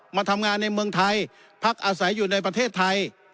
มาทำงานในเมืองไทยพักอาศัยอยู่ในประเทศไทย